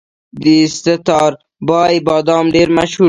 د ستاربای بادام ډیر مشهور دي.